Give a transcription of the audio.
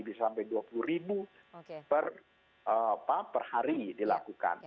bisa sampai dua puluh ribu per hari dilakukan